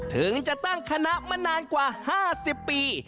ถึงจะตั้งคณะมานานกว่า๕๐ปี